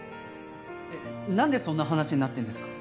なんでそんな話になってるんですか？